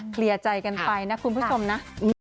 เคลียร์ใจกันไปนะคุณผู้ชมนะ